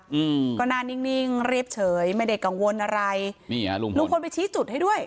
อืมก็หน้านิ่งนิ่งเรียบเฉยไม่ได้กังวลอะไรนี่ฮะลุงพลไปชี้จุดให้ด้วย